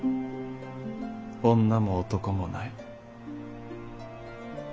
女も男もない。